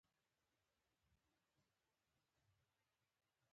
د وخت فرعون وپتېیله چې د بني اسرایلو د ډېرښت مخه ونیسي.